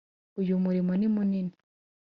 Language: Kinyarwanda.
Uyu mulimo ni munini